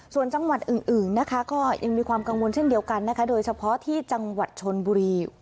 ส่วนจังหวัดอื่นนะคะก็ยังมีความกังวลเช่นเดียวกันนะคะโดยเฉพาะที่จังหวัดชนบุรี